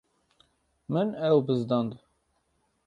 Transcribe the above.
Min ew bizdand.